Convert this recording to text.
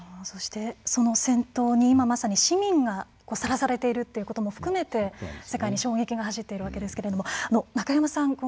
そしてその戦闘に今まさに市民がさらされているっていうことも含めて世界に衝撃が走っているわけですけれども中山さん